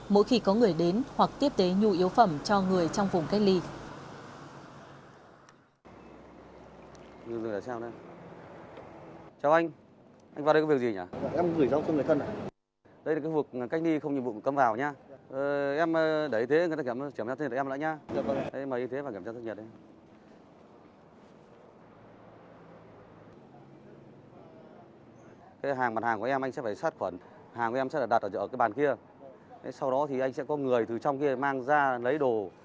mỗi khi có người đến hoặc tiếp tế nhu yếu phẩm cho người trong vùng cách ly